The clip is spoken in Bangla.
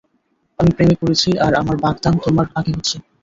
আমি প্রেমে পড়েছি আর আমার বাগদান তোমার আগে হচ্ছে।